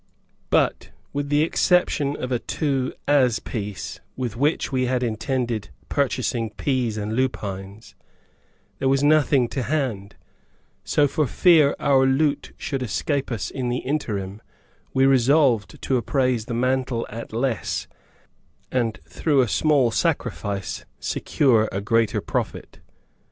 But, with the exception of a two as piece with which we had intended purchasing peas and lupines, there was nothing to hand; so, for fear our loot should escape us in the interim, we resolved to appraise the mantle at less, and, through a small sacrifice, secure a greater profit.